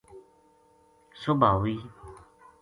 صبح ہوئی